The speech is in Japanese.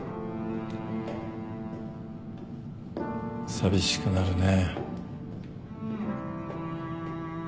寂しくなるね。